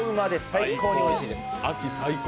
最高においしいです。